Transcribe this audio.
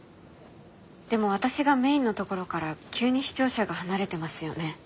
でも私がメインのところから急に視聴者が離れてますよね。